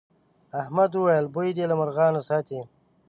احمد وويل: بوی دې له مرغانو ساتي.